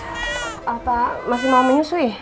apa masih mau menyusui